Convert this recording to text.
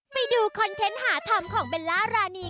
ไปดูคอนเทนต์หาธรรมของเบลล่ารานี